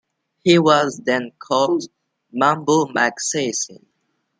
He was then called "Mambo Magsaysay".